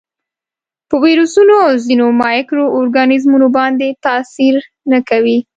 په ویروسونو او ځینو مایکرو ارګانیزمونو باندې تاثیر نه کوي.